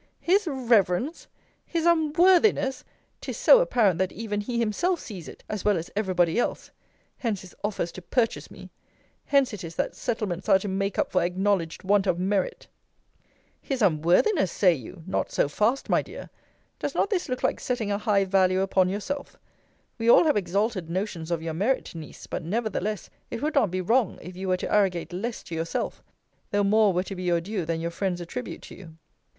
His reverence! his unworthiness! 'Tis so apparent, that even he himself sees it, as well as every body else. Hence his offers to purchase me! Hence it is, that settlements are to make up for acknowledged want of merit! His unworthiness, say you! Not so fast, my dear. Does not this look like setting a high value upon yourself? We all have exalted notions of your merit, Niece; but nevertheless, it would not be wrong, if you were to arrogate less to yourself; though more were to be your due than your friends attribute to you.